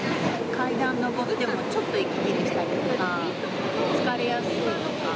階段上っても、ちょっと息切れしたりとか、疲れやすいとか。